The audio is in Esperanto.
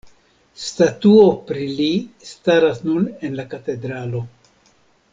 Statuo pri li staras nun en la katedralo.